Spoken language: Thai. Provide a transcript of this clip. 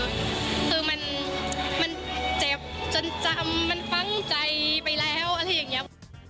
คือมันเจ็บจนจำมันฟังใจไปแล้วอะไรอย่างนี้